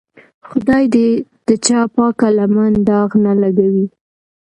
خدای دې د چا پاکه لمن داغ نه لګوي.